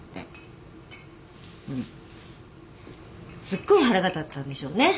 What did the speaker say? すっごい腹が立ったんでしょうね。